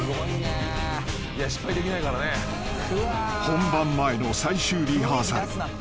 ［本番前の最終リハーサル］